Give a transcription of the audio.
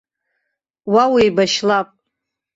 Уа уеибашьлап.